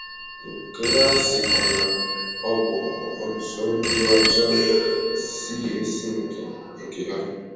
nke ha sịzịkwa na ọ bụ otu ndị ọcha si esi nke ha